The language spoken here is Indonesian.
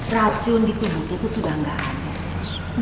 racun di tubuh itu sudah gak ada